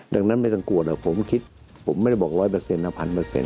ดังนั้นไม่ต้องกลัวนะผมคิดผมไม่ได้บอก๑๐๐นะเป็น๑๐๐๐